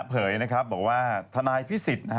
เปรยบอกว่าทนายภิษฐ์